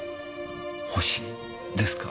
星ですか？